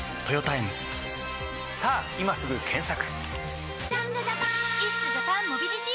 さぁ今すぐ検索！